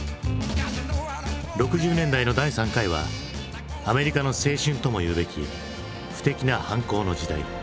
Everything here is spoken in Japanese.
６０年代の第３回はアメリカの青春ともいうべき不敵な反抗の時代。